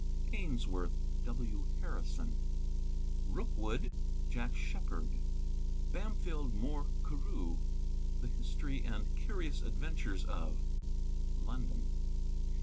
Ainsworth (W. Harrison) —Rookwood.—Jack Sheppard. aa Bamfylde Moore Carew.—The History and Curious Adventures of. London.